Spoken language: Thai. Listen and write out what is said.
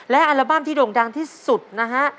และอัลบั้มที่โด่งดังที่สุดนะฮะ